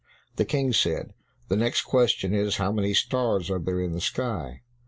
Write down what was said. The King said, "The next question is, how many stars are there in the sky?"